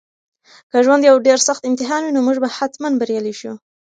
که ژوند یو ډېر سخت امتحان وي نو موږ به حتماً بریالي شو.